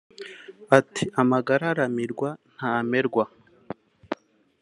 Ati “Amagara aramirwa ntamerwa